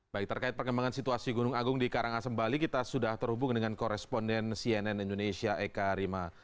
baik terkait perkembangan situasi gunung agung di karangasem bali kita sudah terhubung dengan koresponden cnn indonesia eka rima